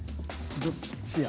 どっちや？